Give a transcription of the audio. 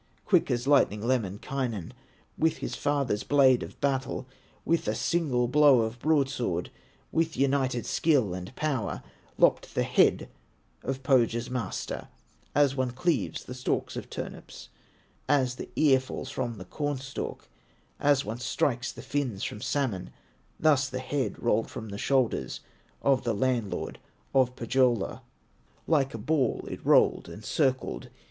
Quick as lightning, Lemminkainen, With his father's blade of battle, With a single blow of broadsword, With united skill and power, Lopped the head of Pohya's master; As one cleaves the stalks of turnips, As the ear falls from the corn stalk, As one strikes the fins from salmon, Thus the head rolled from the shoulders Of the landlord of Pohyola, Like a ball it rolled and circled.